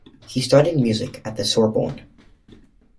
He studied music at the Sorbonne.